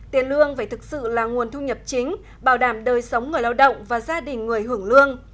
tiền lương phải thực sự là nguồn thu nhập chính bảo đảm đời sống người lao động và gia đình người hưởng lương